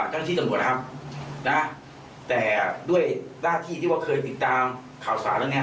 ทั้งที่จังหวัดนะครับนะฮะแต่ด้วยหน้าที่ที่ว่าเคยติดตามข่าวสารแล้วเนี่ย